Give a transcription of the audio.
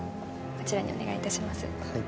こちらにお願いいたします